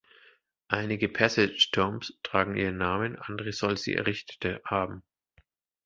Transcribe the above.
Einige Passage tombs tragen ihren Namen, andere soll sie errichtet haben.